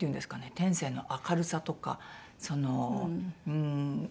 天性の明るさとか邪心のなさ。